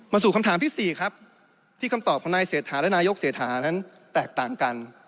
สู่คำถามที่๔ครับที่คำตอบของนายเศรษฐาและนายกเศรษฐานั้นแตกต่างกัน